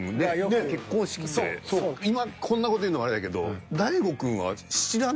今こんな事言うのもあれやけど。